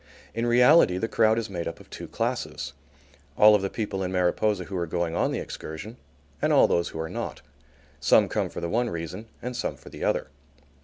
In reality, the crowd is made up of two classes, all of the people in Mariposa who are going on the excursion and all those who are not. Some come for the one reason and some for the other.